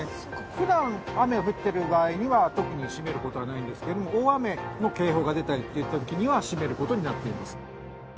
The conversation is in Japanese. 普段雨が降ってる場合には特に閉める事はないんですけど大雨の警報が出たりっていう時には閉める事になっています。